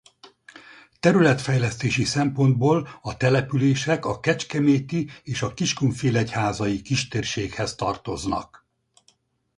Területfejlesztési szempontból a települések a Kecskeméti és a Kiskunfélegyházai kistérséghez tartoznak.